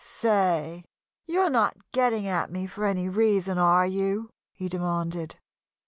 "Say, you're not getting at me for any reason, are you?" he demanded.